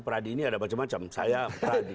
peradi ini ada macam macam saya peradi